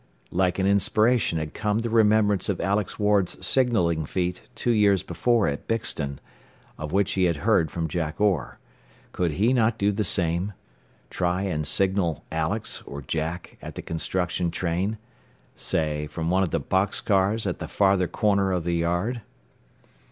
Like an inspiration had come the remembrance of Alex Ward's signalling feat two years before at Bixton, of which he had heard from Jack Orr. Could he not do the same? Try and signal Alex or Jack, at the construction train? Say, from one of the box cars at the farther corner of the yard?